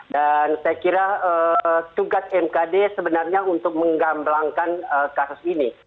dan saya kira tugas mkd sebenarnya untuk menggambelangkan kasus ini